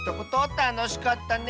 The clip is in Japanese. たのしかったね。